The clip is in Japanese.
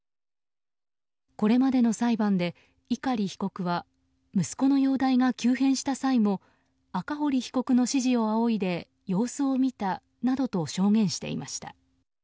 これまでの裁判で、碇被告は息子の容体が急変した際も赤堀被告の指示を仰いで様子を見たなどと証言していました。